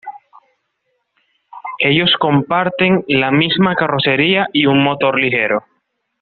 Ellos comparten la misma carrocería y un motor ligero.